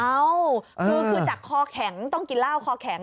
เอ้าคือจากคอแข็งต้องกินเหล้าคอแข็ง